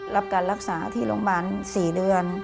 รับการรักษาที่โรงพยาบาล๔เดือน